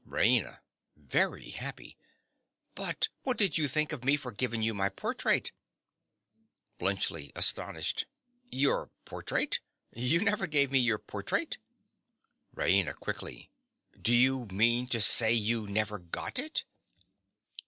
RAINA. (very happy). But what did you think of me for giving you my portrait? BLUNTSCHLI. (astonished). Your portrait! You never gave me your portrait. RAINA. (quickly). Do you mean to say you never got it?